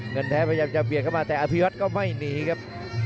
เงินแท้พยายามจะเบียดเข้ามาแต่อภิวัตก็ไม่หนีครับ